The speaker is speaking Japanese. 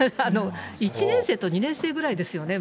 １年生と２年生ぐらいですよね、